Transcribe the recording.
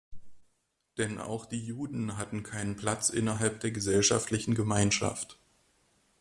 Denn auch die Juden hatten keinen Platz innerhalb der gesellschaftlichen Gemeinschaft.